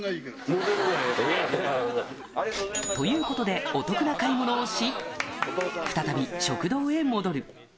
ということで、お得な買い物をし、再び食堂へ戻る。